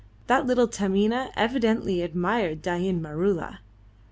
That little Taminah evidently admired Dain Maroola.